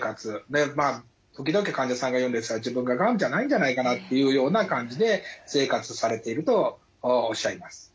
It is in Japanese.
時々患者さんが言うんですが自分ががんじゃないんじゃないかなっていうような感じで生活されているとおっしゃいます。